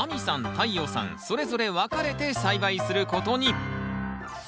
太陽さんそれぞれ分かれて栽培することに。